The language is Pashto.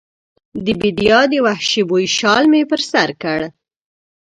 د بیدیا د وحشي بوی شال مې پر سر کړ